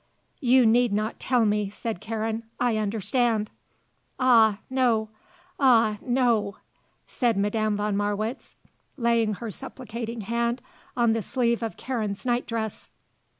"You need not tell me," said Karen. "I understand." "Ah, no: ah, no:" said Madame von Marwitz, laying her supplicating hand on the sleeve of Karen's nightdress.